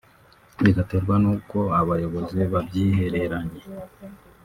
bigaterwa nuko abayobozi babyihereranye